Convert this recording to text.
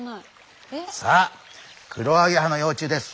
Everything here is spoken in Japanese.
さあクロアゲハの幼虫です！